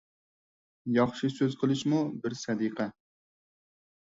ياخشى سۆز قىلىشىمۇ بىر سەدىقە.